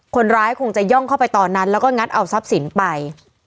คนร้ายคงจะย่องเข้าไปตอนนั้นแล้วก็งัดเอาทรัพย์สินไป